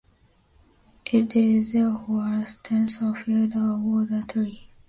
It is therefore a tensor field of order three.